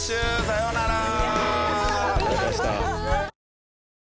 さよなら。